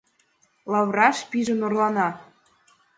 Лавыраш пижын орлана;